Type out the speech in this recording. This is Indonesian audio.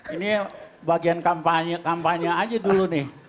ini bagian kampanye kampanye aja dulu nih